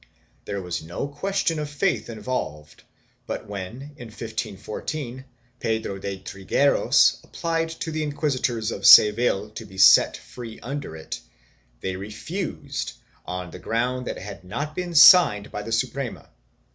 There was no question of faith involved, but when, in 1514, Pedro de Trigueros applied to the inquisitors of Seville to be set free under it, they refused on the ground that it had not been signed by the Suprema.